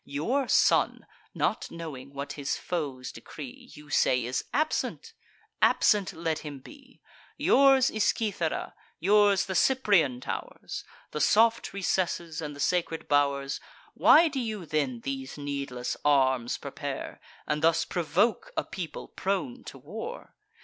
Your son, not knowing what his foes decree, You say, is absent: absent let him be. Yours is Cythera, yours the Cyprian tow'rs, The soft recesses, and the sacred bow'rs. Why do you then these needless arms prepare, And thus provoke a people prone to war?